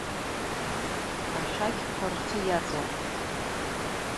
Ашәақьқәа рхы иаҵоуп.